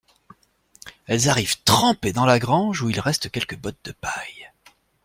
Elles arrivent trempées dans la grange où il reste quelques bottes de paille.